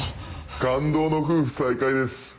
感動の夫婦再会です。